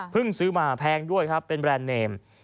ซื้อมาแพงด้วยครับเป็นแรนด์เนม